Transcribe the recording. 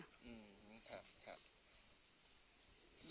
อืมครับครับ